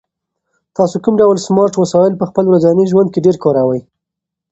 تاسو کوم ډول سمارټ وسایل په خپل ورځني ژوند کې ډېر کاروئ؟